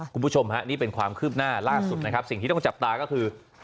คุณผู้ชมฮะนี่เป็นความคืบหน้าล่าสุดนะครับสิ่งที่ต้องจับตาก็คือ